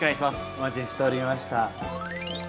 お待ちしておりました。